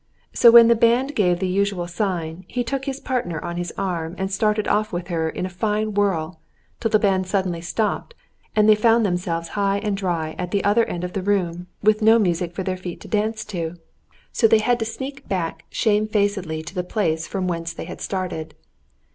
so when the band gave the usual signal, he took his partner on his arm and started off with her in a fine whirl, till the band suddenly stopped, and they found themselves high and dry at the other end of the room with no music for their feet to dance to; so they had to sneak back shamefacedly to the place from whence they had started.